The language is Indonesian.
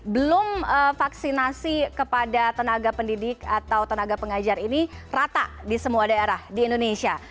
belum vaksinasi kepada tenaga pendidik atau tenaga pengajar ini rata di semua daerah di indonesia